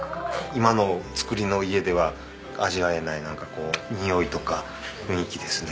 今の造りの家では味わえないなんかこうにおいとか雰囲気ですね。